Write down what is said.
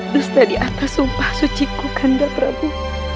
dusta di atas sumpah suciku kandapraku